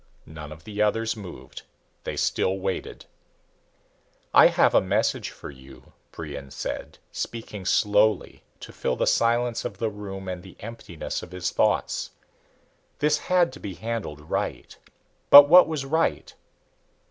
None of the others moved. They still waited. "I have a message for you," Brion said, speaking slowly to fill the silence of the room and the emptiness of his thoughts. This had to be handled right. But what was right?